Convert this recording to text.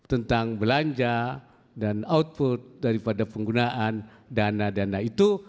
tentang belanja dan output daripada penggunaan dana dana itu